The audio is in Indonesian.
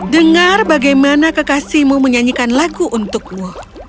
dengar bagaimana kekasihmu menyanyikan lagu untukmu